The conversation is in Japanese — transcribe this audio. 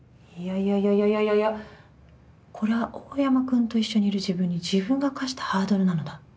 いやいやいや、これは大山くんと一緒にいる自分に、自分が課したハードルなのだ。